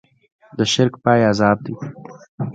د شرک پای عذاب دی.